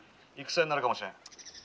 歳戦になるかもしれん」。